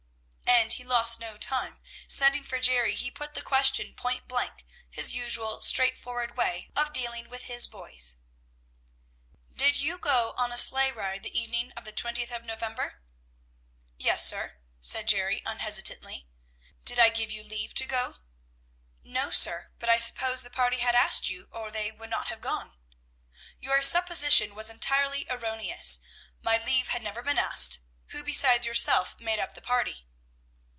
And he lost no time; sending for Jerry, he put the question point blank, his usual straightforward way of dealing with his boys, "Did you go on a sleigh ride the evening of the twentieth of November?" "Yes, sir," said Jerry unhesitatingly. "Did I give you leave to go?" "No, sir; but I supposed the party had asked you, or they would not have gone." "Your supposition was entirely erroneous. My leave had never been asked. Who besides yourself made up the party?"